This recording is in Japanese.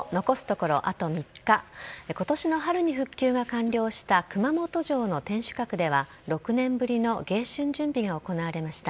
ことしの春に復旧が完了した熊本城の天守閣では、６年ぶりの迎春準備が行われました。